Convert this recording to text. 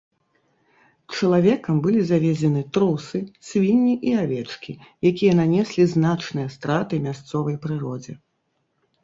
Чалавекам былі завезены трусы, свінні і авечкі, якія нанеслі значныя страты мясцовай прыродзе.